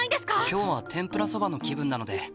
今日は天ぷらそばの気分なので。